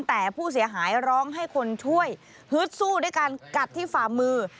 แต่ผู้เสียหายร้องให้คนช่วยฮึดสู้ด้วยการกัดที่ฝ่ามือ